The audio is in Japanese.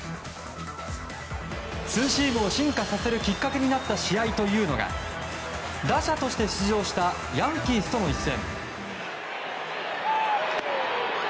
ツーシームを進化させるきっかけになった試合というのが打者として出場したヤンキースとの一戦。